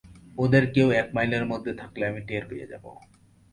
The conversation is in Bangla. ওদের কেউ এক মাইলের মধ্যে থাকলে, আমি টের পেয়ে যাবো।